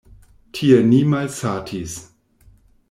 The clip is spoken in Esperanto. Tie ni malsatis.